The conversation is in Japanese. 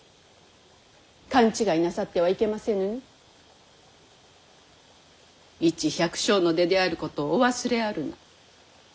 勘違いなさってはいけませぬにいち百姓の出であることをお忘れあるな。